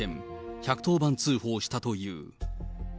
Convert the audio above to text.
１１０番通報したという。